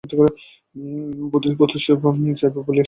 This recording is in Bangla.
পরদিন প্রত্যুষে যাইবে বলিয়া সংবাদ পাঠাইয়াছে।